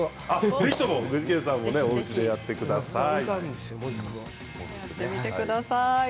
ぜひとも具志堅さんもおうちでやってみてください。